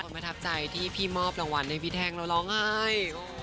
ประทับใจที่พี่มอบรางวัลให้พี่แท่งแล้วร้องไห้